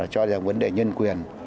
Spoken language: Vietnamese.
cho rằng vấn đề nhân quyền